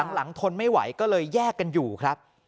ทนไม่ไหวก็เลยแยกกันอยู่ครับ